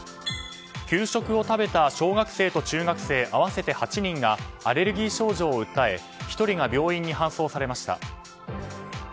給食を食べた小学生と中学生合わせて８人がアレルギー症状を訴え１人が病院に搬送されました。